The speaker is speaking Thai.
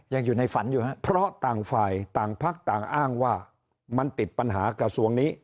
ยังอยู่ในฝันอยู่ครับเพราะต่างฝ่ายต่างพักต่างอ้างว่ามันติดปัญหากระทรวงนี้